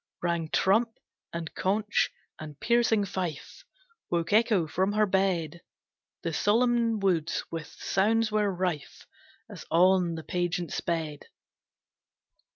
Rang trump, and conch, and piercing fife, Woke Echo from her bed! The solemn woods with sounds were rife As on the pageant sped.